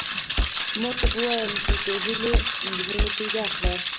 مور ته به ووایم چې د هیلو نجلۍ مې پیدا کړه